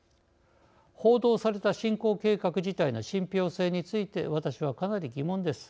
報道された侵攻計画自体の信ぴょう性について私は、かなり疑問です。